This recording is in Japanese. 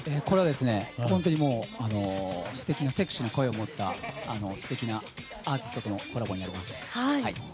本当に素敵な、セクシーな声を持った素敵なアーティストとのコラボになります。